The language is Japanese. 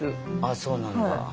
あそうなんだ。